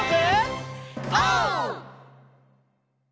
オー！